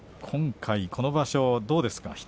今回、この場所どうですか。